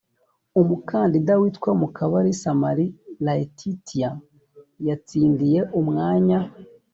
umukandida witwa mukabalisa marie laetitia yatsindiye umwanya.